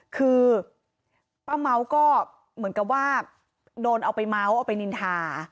คือป้าเม้าก็เหมือนกับว่าโดนเอาไปเมาส์เอาไปนินทา